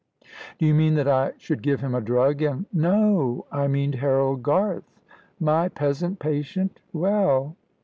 "Do you mean that I should give him a drug, and " "No; I mean Harold Garth." "My peasant patient. Well?"